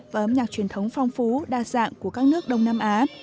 và âm nhạc truyền thống phong phú đa dạng của các nước đông nam á